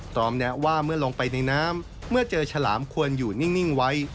แนะว่าเมื่อลงไปในน้ำเมื่อเจอฉลามควรอยู่นิ่งไว้